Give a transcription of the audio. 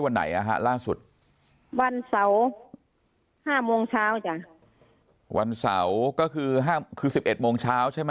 วันไหนล่าสุดวันเสาร์๕โมงเช้าวันเสาร์ก็คือ๑๑โมงเช้าใช่